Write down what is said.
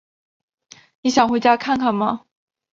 你想回家看看吗？